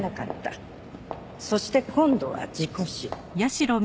そして今度は事故死。